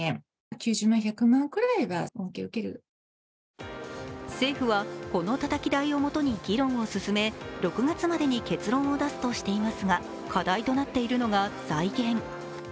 ９０万１００万くらいが恩恵を受ける政府はこのたたき台をもとに議論を進め６月までに結論を出すとしていますが、課題となっているのが財源。